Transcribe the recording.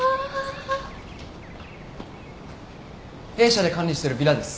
弊社で管理してるヴィラです。